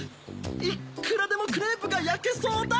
いっくらでもクレープがやけそうだ！